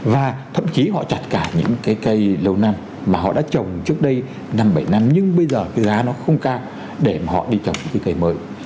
và thậm chí họ chặt cả những cái cây lâu năm mà họ đã trồng trước đây năm bảy năm nhưng bây giờ cái giá nó không cao để họ đi chọc những cái cây mới